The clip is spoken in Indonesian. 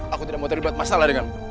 aku tidak mau terlibat masalah denganmu